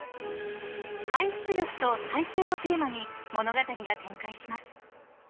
［回復力と再生をテーマに物語が展開します］